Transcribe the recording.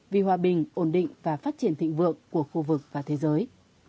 vì hòa bình ổn định và phát triển thịnh vượng của khu vực và thế giới